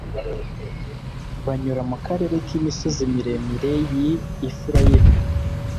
banyura mu karere k'imisozi miremire y'i efurayimu